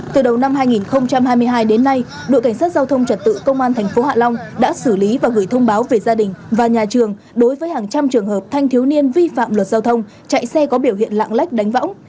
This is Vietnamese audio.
từ đầu năm hai nghìn hai mươi hai đến nay đội cảnh sát giao thông trật tự công an tp hạ long đã xử lý và gửi thông báo về gia đình và nhà trường đối với hàng trăm trường hợp thanh thiếu niên vi phạm luật giao thông chạy xe có biểu hiện lạng lách đánh võng